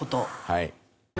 はい。